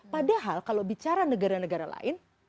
padahal kalau bicara negara negara lain